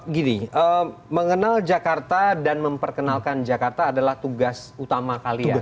gini mengenal jakarta dan memperkenalkan jakarta adalah tugas utama kalian